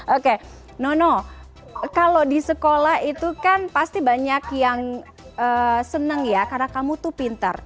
oke nono kalau di sekolah itu kan pasti banyak yang seneng ya karena kamu tuh pintar